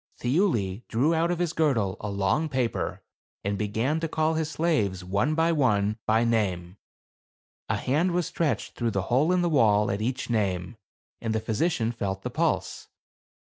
Thiuli drew out of his girdle a long paper, and began to call his slaves, one by one, by name. A hand was stretched through the hole in the wall at each name, and the physician felt the pulse.